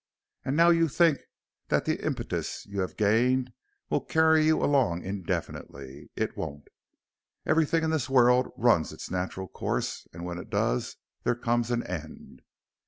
And now you think that the impetus you have gained will carry you along indefinitely. It won't. Everything in this world runs its natural course and when it does there comes an end.